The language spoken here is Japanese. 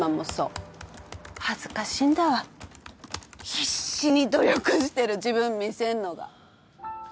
必死に努力してる自分見せんのが。